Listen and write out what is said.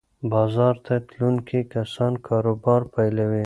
بازار ته تلونکي کسان کاروبار پیلوي.